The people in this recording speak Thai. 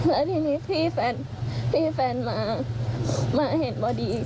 แล้วทีนี้พี่แฟนมามาเห็นพอดี